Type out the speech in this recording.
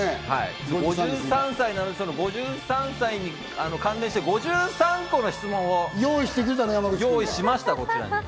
５３歳なので、関連して５３個の質問を用意しました、こちらに。